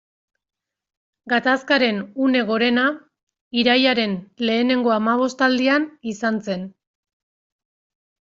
Gatazkaren une gorena irailaren lehenengo hamabostaldian izan zen.